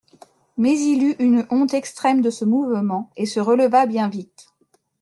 Mais il eut une honte extrême de ce mouvement et se releva bien vite.